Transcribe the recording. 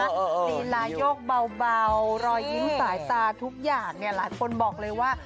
ลีลายกเบารอยยิ้มสายตาทุกอย่างเนี่ยหลายคนบอกเลยว่า